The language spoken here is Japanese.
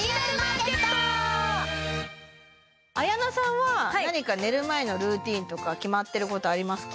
綾菜さんは何か寝る前のルーティンとか決まってることありますか？